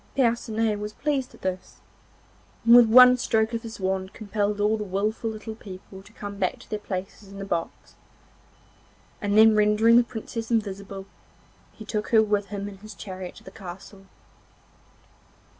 Percinet was pleased at this, and with one stroke of his wand compelled all the wilful little people to come back to their places in the box, and then rendering the Princess invisible he took her with him in his chariot to the castle.